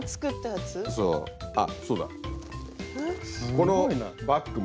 このバッグも。